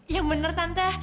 ya bener tante